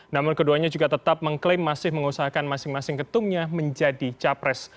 namun keduanya juga tetap mengklaim masih mengusahakan masing masing ketumnya menjadi capres